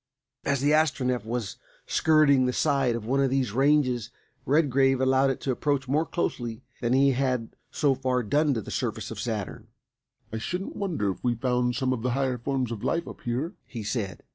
As the Astronef was skirting the side of one of these ranges Redgrave allowed it to approach more closely than he had so far done to the surface of Saturn. "I shouldn't wonder if we found some of the higher forms of life up here," he said.